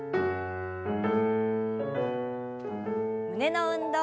胸の運動。